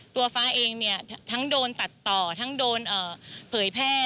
ฟ้าเองทั้งโดนตัดต่อทั้งโดนเผยแพร่